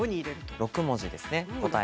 ６文字ですね。